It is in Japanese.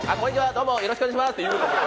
どうもよろしくお願いしますって言うってことやろ？